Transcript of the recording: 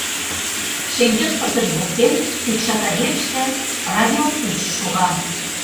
Шеҥгел пырдыж воктен, кӱкшака верыште, радио пуч шога.